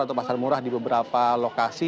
atau pasar murah di beberapa lokasi